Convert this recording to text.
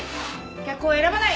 客を選ばない。